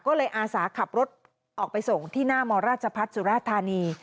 ก็เลยอาสาขับรถออกไปส่งที่หน้ามราชพัฒน์สุราธานี